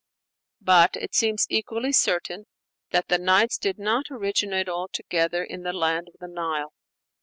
But it seems equally certain that the 'Nights' did not originate altogether in the land of the Nile.